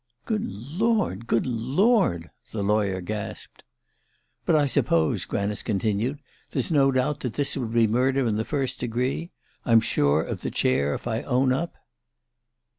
"Good Lord good Lord," the lawyer gasped. "But I suppose," Granice continued, "there's no doubt this would be murder in the first degree? I'm sure of the chair if I own up?"